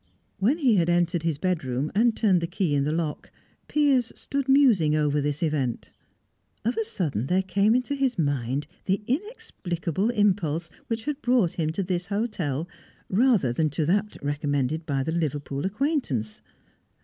When he had entered his bedroom, and turned the key in the lock, Piers stood musing over this event. Of a sudden there came into his mind the inexplicable impulse which brought him to this hotel, rather than to that recommended by the Liverpool acquaintance.